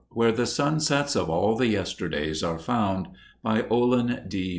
WHERE THE SUNSETS OF ALL THE YESTERDAYS ARE FOUND BY OLIN D.